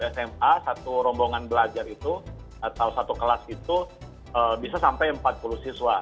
sma satu rombongan belajar itu atau satu kelas itu bisa sampai empat puluh siswa